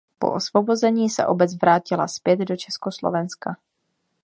Po osvobození se obec vrátila zpět do Československa.